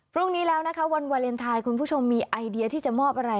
พรุ่งนี้แล้วนะคะวันวาเลนไทยคุณผู้ชมมีไอเดียที่จะมอบอะไร